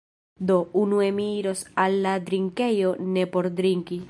Do, unue mi iros al la drinkejo ne por drinki